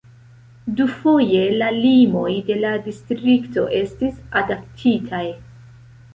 Dufoje la limoj de la distrikto estis adaptitaj.